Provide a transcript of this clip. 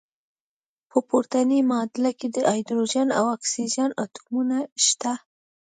په پورتني معادله کې د هایدروجن او اکسیجن اتومونه شته.